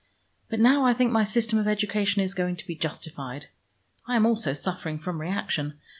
But now I think my system of education is going to be justified. I am also suffering from reaction.